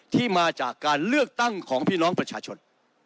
ที่มาจากการเลือกตั้งของพี่น้องประชาชน